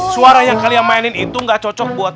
suara yang kalian mainin itu gak cocok buat